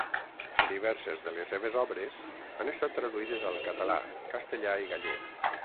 Diverses de les seves obres han estat traduïdes al català, castellà i gallec.